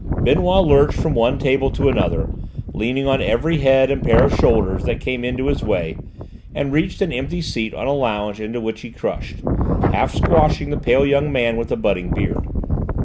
Benoît lurched from one table to another, leaning on every head and pair of shoulders that came his way, and reached an empty seat on a lounge into which he crushed, half squashing the pale young man with the budding beard.